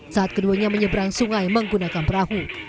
saat keduanya menyeberang sungai menggunakan perahu